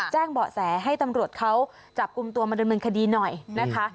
แจ้งเบาะแสให้ตำรวจเขาจับกลุ่มตัวมาดำเนินคดีหน่อยนะคะ